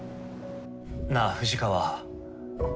なあ藤川。